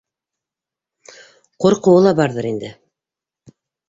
Ҡурҡыуы ла барҙыр инде.